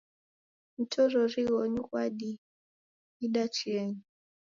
Mtorori ghonyu ghwadiida chienyi.